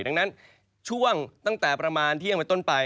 ดังนั้นช่วงตั้งแต่ประมาณเที่ยงไปต้นไป